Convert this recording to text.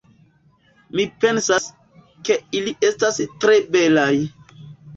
Mi pensas, ke ili estas tre belaj